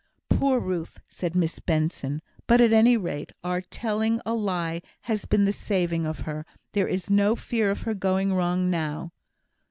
"Poor Ruth!" said Miss Benson. "But at any rate our telling a lie has been the saving of her. There is no fear of her going wrong now."